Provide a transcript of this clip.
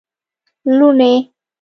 لوڼی